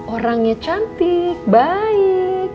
orangnya cantik baik